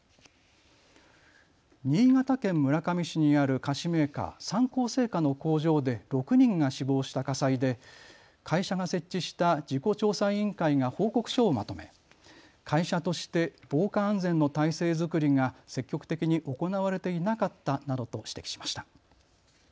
新潟県村上市にある菓子メーカー、三幸製菓の工場で６人が死亡した火災で会社が設置した事故調査委員会が報告書をまとめ会社として防火安全の体制作りが積極的に行われていなかったなどと指摘しました。